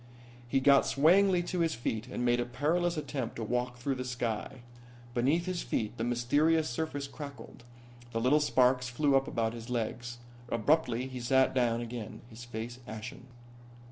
He got swayingly to his feet and made a perilous attempt to walk through the sky. Beneath his feet the mysterious surface crackled, and little sparks flew up about his legs. Abruptly he sat down again, his face ashen.